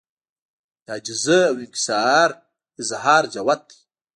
د عاجزۍاو انکسارۍ اظهار جوت دی